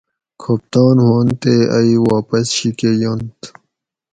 کھوپتان ہوانت تے ائ واپس شی کہ ینت